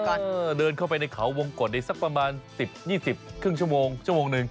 เดินเข้าไปในเขาวงกฎในสักประมาณ๑๐๒๐ครึ่งชั่วโมงชั่วโมงหนึ่ง